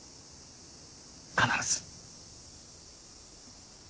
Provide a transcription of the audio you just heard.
必ず。